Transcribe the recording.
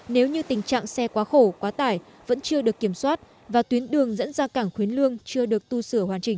nếu như tình trạng xe quá khổ quá tải vẫn chưa được kiểm soát và tuyến đường dẫn ra cảng khuyến lương chưa được tu sửa hoàn chỉnh